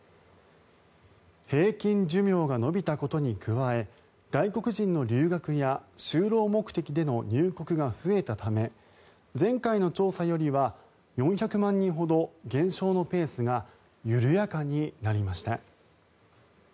平均寿命が延びたことに加え外国人の留学や就労目的での入国が増えたため前回の調査よりは４００万人ほど減少のペースが緩やかになりました。